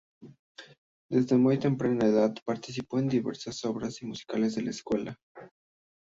Desde muy temprana edad, participó en diversas obras musicales en la escuela.